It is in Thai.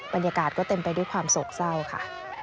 บรรยากาศก็เต็มไปด้วยความโศกเศร้าค่ะ